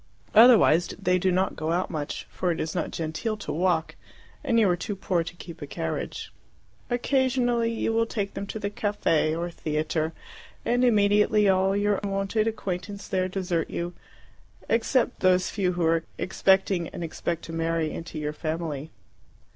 Otherwise they do not go out much, for it is not genteel to walk, and you are too poor to keep a carriage. Occasionally you will take them to the caffe or theatre, and immediately all your wonted acquaintance there desert you, except those few who are expecting and expected to marry into your family.